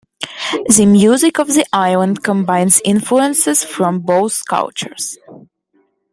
The music of the island combines influences from both cultures.